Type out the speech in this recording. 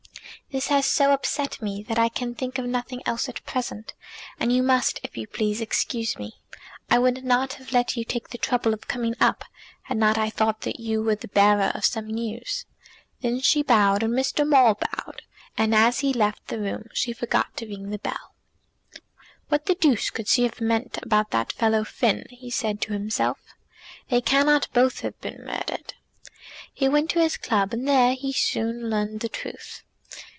"This has so upset me that I can think of nothing else at present, and you must, if you please, excuse me. I would not have let you take the trouble of coming up, had not I thought that you were the bearer of some news." Then she bowed, and Mr. Maule bowed; and as he left the room she forgot to ring the bell. "What the deuce can she have meant about that fellow Finn?" he said to himself. "They cannot both have been murdered." He went to his club, and there he soon learned the truth.